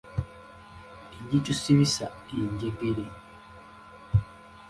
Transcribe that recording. Egitusibisa enjegere.